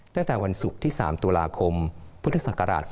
ตั้งแต่วันศุกร์ที่๓ตุลาคมพศ๒๕๕๗